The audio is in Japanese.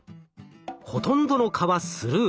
ほとんどの蚊はスルー。